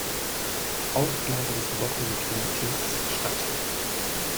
Auflage des Borsig-Meetings statt.